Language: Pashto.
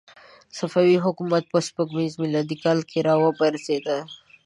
صفوي حکومت په سپوږمیز میلادي کال کې را وپرځېد.